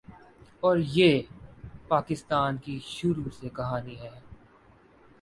اور یہ پاکستان کی شروع سے کہانی ہے۔